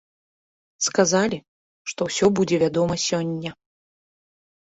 Сказалі, што ўсё будзе вядома сёння.